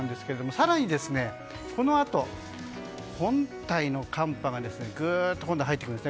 更にこのあと、本体の寒波がぐっと入ってきます。